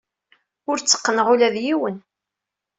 Ur tteqqneɣ ula d yiwen.